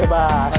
satu dua tiga